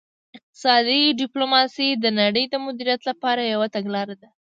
اقتصادي ډیپلوماسي د نړۍ د مدیریت لپاره یوه تګلاره ده